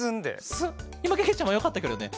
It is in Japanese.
いまけけちゃまよかったケロね。